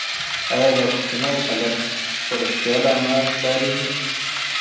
ایا دا کوچنی هلک په رښتیا له انا ډارېږي؟